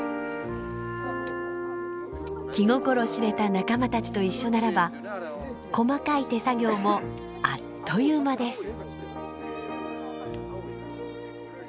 気心知れた仲間たちと一緒ならば細かい手作業もあっという間です。